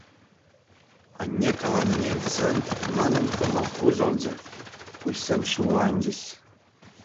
Анне каланине илтсен манӑн кӑмӑл хуҫӑлчӗ, куҫсем шывланчӗҫ.